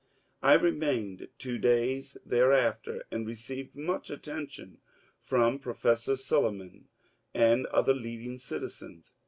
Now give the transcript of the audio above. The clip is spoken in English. I remained two days thereafter, and received much atten tion from Professor Silliman and other leading citizens.